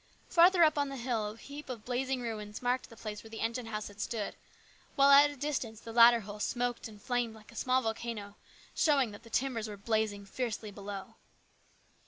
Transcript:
Farther up on the hill a heap of blazing ruins marked the place where the engine house had stood, while at a distance the ladder hole smoked and flamed like a small volcano, showing that the timbers were blazing fiercely below.